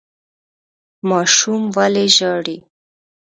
ماشوم ولې ژاړي ؟